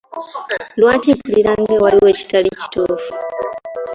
Lwaki mpulira nga ewaliwo ekitali kituufu?